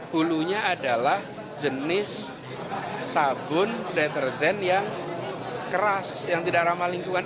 hulunya adalah jenis sabun deterjen yang keras yang tidak ramah lingkungan